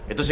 itu si si